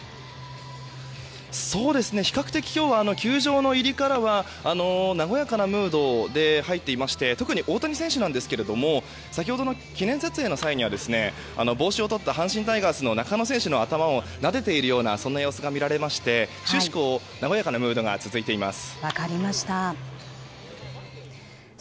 比較的今日は球場の入りからは和やかなムードで入っていまして特に大谷選手ですが先ほど記念撮影の際には帽子をとった阪神タイガースの中野選手の頭をなでているような様子が見られまして終始、和やかなムードが続いています。